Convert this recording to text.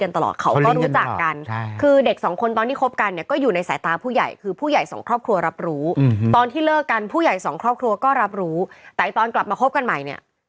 ทั้งสองครอบครัวก็รับรู้แต่ตอนกลับมาคบกันใหม่เนี่ย